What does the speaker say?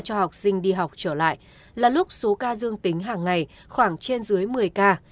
cho học sinh đi học trở lại là lúc số ca dương tính hàng ngày khoảng trên dưới một mươi ca